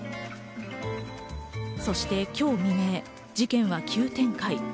そして今日未明、事件は急展開。